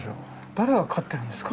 誰が飼ってるんですか？